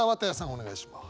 お願いします。